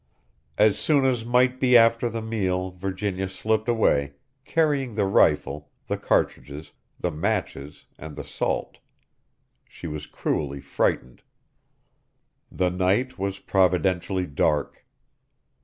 As soon as might be after the meal Virginia slipped away, carrying the rifle, the cartridges, the matches, and the salt. She was cruelly frightened. The night was providentially dark.